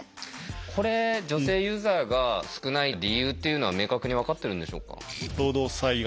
これ女性ユーザーが少ない理由っていうのは明確に分かってるんでしょうか？